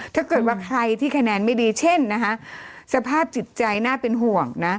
ถ้าเกิดว่าใครที่คะแนนไม่ดีเช่นนะคะสภาพจิตใจน่าเป็นห่วงนะ